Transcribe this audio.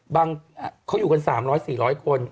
เขาอยู่กัน๓๐๐๔๐๐คน